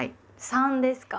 三ですか？